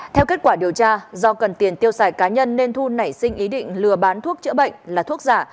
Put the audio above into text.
theo kết quả điều tra do cần tiền tiêu xài cá nhân nên thu nảy sinh ý định lừa bán thuốc chữa bệnh là thuốc giả